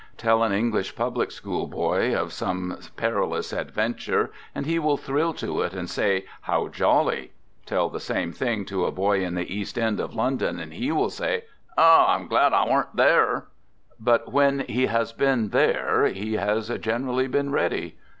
Tell an Eng lish public school boy of some perilous adventure and he will thrill to it and say, " How jolly! " Tell the same thing to a boy in the East End of London and he will say: " Ow, I'm glad I weren't there 1 " 150 Digitized by THE GOOD SOLDIER " 151 But when he has been " there " he has generally been ready.